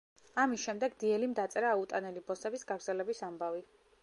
ამის შემდეგ დიელიმ დაწერა „აუტანელი ბოსების“ გაგრძელების ამბავი.